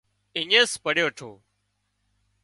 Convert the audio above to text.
اڃينز پڙِيو ٺو